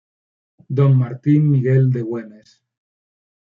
Don Martín Miguel de Güemes.